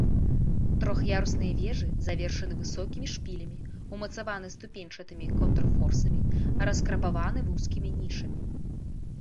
Трох'ярусныя вежы завершаны высокімі шпілямі, умацаваны ступеньчатымі контрфорсамі, раскрапаваны вузкімі нішамі.